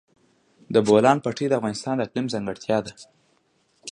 د بولان پټي د افغانستان د اقلیم ځانګړتیا ده.